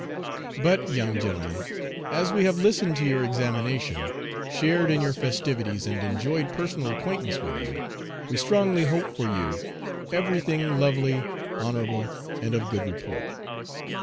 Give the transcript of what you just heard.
But, young gentlemen, as we have listened to your examination, shared in your festivities, and enjoyed personal acquaintance with you, we strongly hope for you every thing lovely, honorable, and of good report.